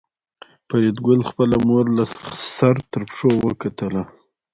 فریدګل خپله مور له سر تر پښو وکتله